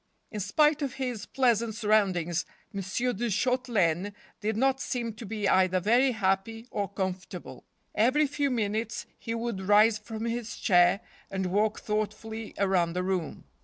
In spite of his pleasant surroundings M. de Shaute¬ laine did not seem to be either very happy or com¬ fortable. Every few minutes he would rise from his chair and walk thoughtfully around the room.